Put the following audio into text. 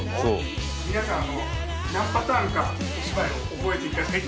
皆さん何パターンかお芝居を覚えていただいて。